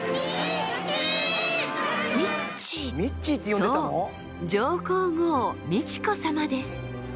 そう上皇后美智子さまです。